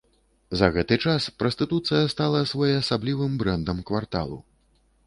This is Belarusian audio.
За гэты час прастытуцыя стала своеасаблівым брэндам кварталу.